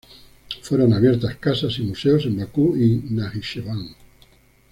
Fueron abiertas casas y museos en Bakú y Najicheván.